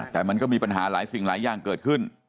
แต่มันก็มีปัญหาหลายสิ่งหลายอย่างเกิดขึ้น